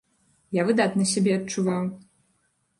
Я выдатна сябе адчуваў.